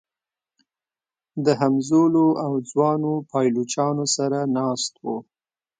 د همزولو او ځوانو پایلوچانو سره ناست و.